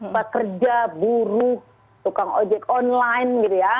pada kerja buruh tukang ojek online gitu ya